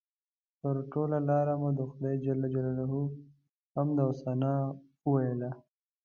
پر ټوله لاره مو د خدای جل جلاله حمد او ثنا ووایه.